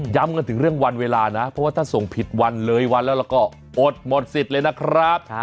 กันถึงเรื่องวันเวลานะเพราะว่าถ้าส่งผิดวันเลยวันแล้วก็อดหมดสิทธิ์เลยนะครับ